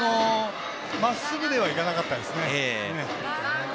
まっすぐではいかなかったですね。